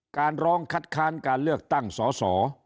การร้องคัดค้านการเลือกตั้งสอสอ